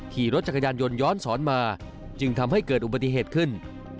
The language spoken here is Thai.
ขี่รถจักรยานยนต์ย้อนสอนมาจึงทำให้เกิดอุบัติเหตุขึ้น